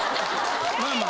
・まあまあ。